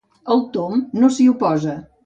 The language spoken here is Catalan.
El Tom no s'hi oposa.